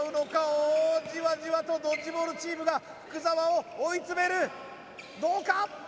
おおーじわじわとドッジボールチームが福澤を追い詰めるどうか！？